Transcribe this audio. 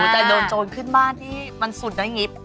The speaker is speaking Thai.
แต่โดนโจรขึ้นบ้านที่มันสุดอย่างนี้